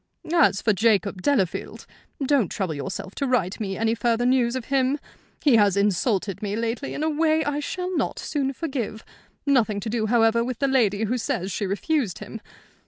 "As for Jacob Delafield, don't trouble yourself to write me any further news of him. He has insulted me lately in a way I shall not soon forgive nothing to do, however, with the lady who says she refused him.